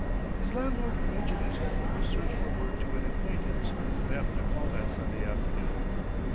His landlord mentioned his fruitless search for work to an acquaintance who happened to call that Sunday afternoon.